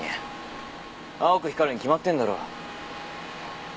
青く光るに決まってんだろ。